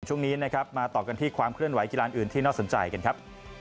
ช่วงนี้นะครับมาต่อกันที่ความเคลื่อนไหกีฬานอื่นที่น่าสนใจกันครับ